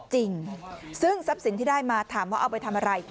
จริงซึ่งทรัพย์สินที่ได้มาถามว่าเอาไปทำอะไร